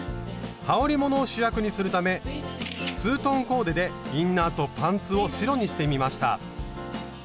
はおりものを主役にするためツートンコーデでインナーとパンツを白にしてみました。